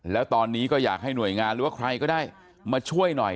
แล้วตอนนี้ก็อยากให้หน่วยงานหรือว่าใครก็ได้มาช่วยหน่อย